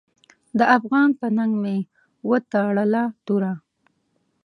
د افغان په ننګ مې وتړله توره .